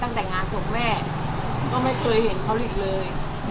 งานแต่งงานศพแม่ก็ไม่เคยเห็นเขาอีกเลย